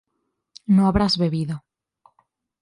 no habrás bebido